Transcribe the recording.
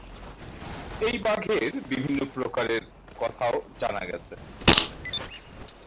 এই বাঘের বিভিন্ন প্রকারের কথাও জানা গেছে।